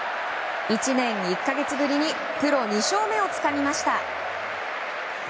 １年１か月ぶりにプロ２勝目をつかみました。